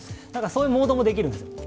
そういうモードもできるんです。